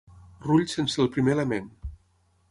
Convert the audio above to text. Rull sense el primer element.